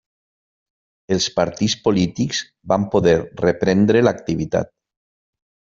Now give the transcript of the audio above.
Els partits polítics van poder reprendre l'activitat.